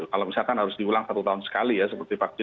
kalau misalkan harus diulang satu tahun sekali ya seperti vaksin